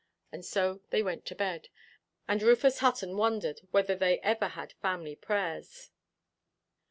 And so they went to bed. And Rufus Hutton wondered whether they ever had family prayers.